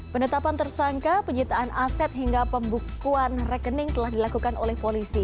penetapan tersangka penyitaan aset hingga pembukuan rekening telah dilakukan oleh polisi